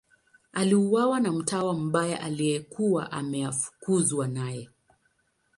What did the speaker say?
Aliuawa na mtawa mbaya aliyekuwa ameafukuzwa naye.